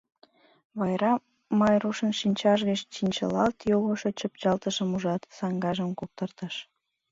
Вара Майрушын шинчаж гыч чинчылалт йогышо чыпчалтышым ужат, саҥгажым куптыртыш.